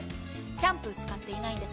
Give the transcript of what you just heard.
シャンプーを使っていないんです。